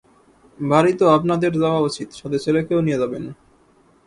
বাড়ি তো আপনাদের যাওয়া উচিত, সাথে ছেলেকেও নিয়ে যাবেন।